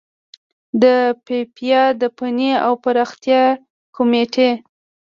د فیفا د فني او پراختیايي کميټې